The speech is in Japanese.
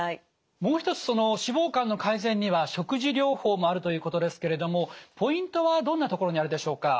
もう一つ脂肪肝の改善には食事療法もあるということですけれどもポイントはどんなところにあるでしょうか？